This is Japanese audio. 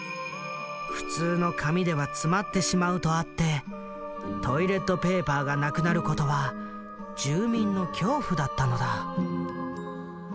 普通の紙では詰まってしまうとあってトイレットペーパーがなくなることは住民の恐怖だったのだ。